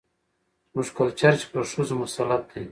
زموږ کلچر چې پر ښځو مسلط دى،